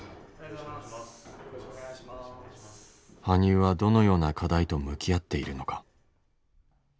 羽生はどのような課題と向き合っているのか。